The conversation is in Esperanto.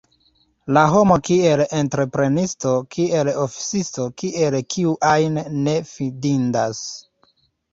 La homo kiel entreprenisto, kiel oficisto, kiel kiu ajn, ne fidindas.